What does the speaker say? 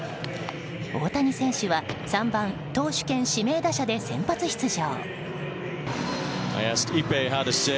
大谷選手は３番投手兼指名打者で先発出場。